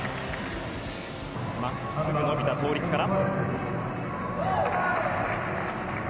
まっすぐ伸びた倒立から。